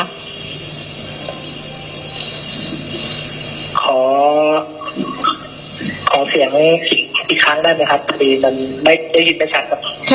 ขอขอเสียงอีกครั้งได้ไหมครับ